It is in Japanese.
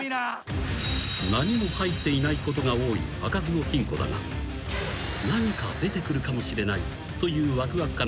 ［何も入っていないことが多い開かずの金庫だが何か出てくるかもしれないという］